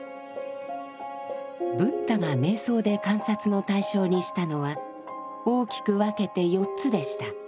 ブッダが瞑想で観察の対象にしたのは大きく分けて４つでした。